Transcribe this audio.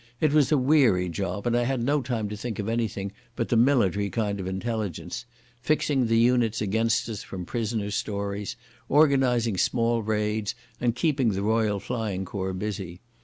It was a weary job, and I had no time to think of anything but the military kind of intelligence—fixing the units against us from prisoners' stories, organizing small raids, and keeping the Royal Flying Corps busy.